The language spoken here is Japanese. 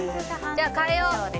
じゃあ変えよう。